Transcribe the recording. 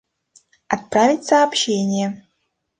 Отправить сообщение